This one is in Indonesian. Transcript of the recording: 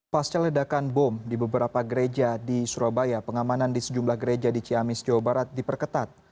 pasca ledakan bom di beberapa gereja di surabaya pengamanan di sejumlah gereja di ciamis jawa barat diperketat